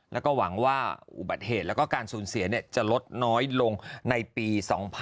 แล้วก็หวังว่าอุบัติเหตุและการสูญเสียจะลดน้อยลงในปี๒๕๖๒